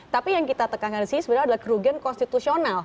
tapi yang kita tekankan di sini sebenarnya adalah kerugian konstitusional